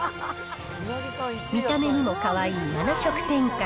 見た目にもかわいい７色展開。